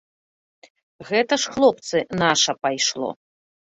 Гэта ж, хлопцы, наша пайшло.